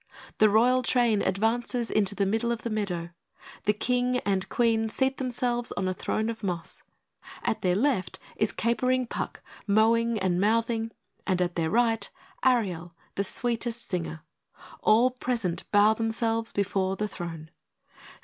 The royal train advances into the middle of the meadow. The King and Queen seat themselves on a throne of moss. At their left is capering Puck mowing and mouthing; at their right, Ariel the sweetest singer. All present bow themselves before the throne.